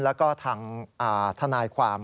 แล้วก็ทางทนายความ